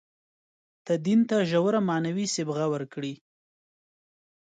تدین ته ژوره معنوي صبغه ورکړي.